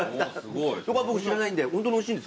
そこは僕知らないんで。